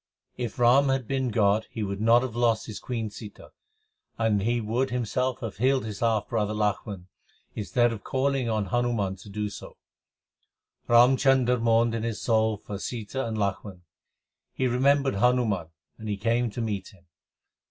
If Ram had been God he would not have lost his queen Sita, and he would himself have healed his half brother Lachhman instead of calling on Hanuman to do so : Ram Chandar mourned in his soul for Sita and Lachhman : He remembered Hanuman, 1 and he came to meet him.